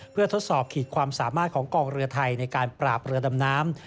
เพื่อทดสอบขีดความสามารถของกองเรือไทยในการปราบเรือดำน้ำ